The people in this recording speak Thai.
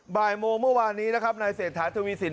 บ่ายโมงเมื่อวานนี้นะครับนายเศรษฐาทวีสิน